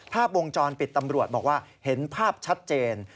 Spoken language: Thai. ภาพวงจรปิดตำรวจบอกว่าเห็นภาพชัดเจน